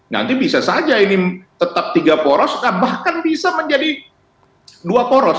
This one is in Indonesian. nanti bisa saja ini tetap tiga poros bahkan bisa menjadi dua poros